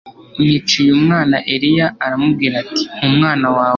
unyiciye umwana Eliya aramubwira ati Mpa umwana wawe